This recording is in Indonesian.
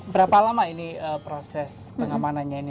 berapa lama ini proses pengamanannya ini